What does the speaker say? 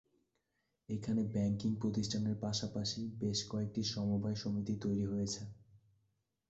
এখানে ব্যাংকিং প্রতিষ্ঠানের পাশাপাশি বেশ কয়েকটি সমবায় সমিতি তৈরি হয়েছে।